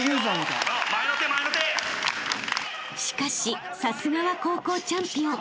［しかしさすがは高校チャンピオン